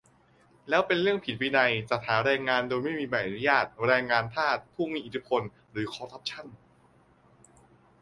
แล้วเป็นเรื่องผิดวินัย จัดหาแรงงานโดยไม่มีใบอนุญาต แรงงานทาส ผู้มีอิทธิพล หรือคอรัปชั่น ?